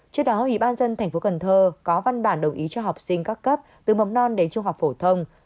trước đó ủy ban dân tp cn có văn bản đồng ý cho học sinh các cấp từ mầm non đến trung học phổ thông